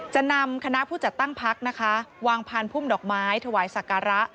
จะนำคณะผู้จัดตั้งพักนะคะวางพานพุ่มดอกไม้ถวายสักการะ